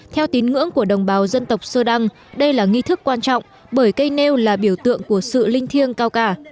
theo tín ngưỡng của đồng bào dân tộc sơ đăng đây là nghi thức quan trọng bởi cây nêu là biểu tượng của sự linh thiêng cao cả